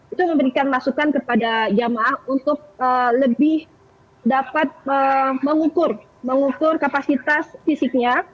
itu memberikan masukan kepada jamaah untuk lebih dapat mengukur kapasitas fisiknya